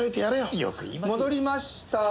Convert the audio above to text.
戻りましたー。